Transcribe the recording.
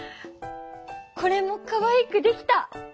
これもかわいく出来た！